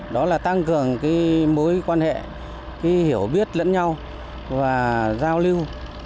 đó là tăng cường mối quan hệ hiểu biết lẫn nhau và giao lưu